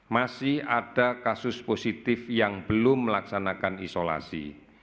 masih ada kasus positif yang belum melaksanakan isolasi